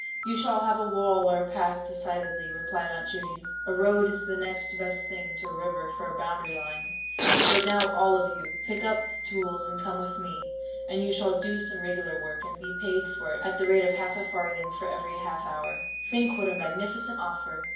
"You shall have a wall or a path decidedly," replied Aunt Judy: "a road is the next best thing to a river for a boundary line. But now, all of you, pick up the tools and come with me, and you shall do some regular work, and be paid for it at the rate of half a farthing for every half hour. Think what a magnificent offer!"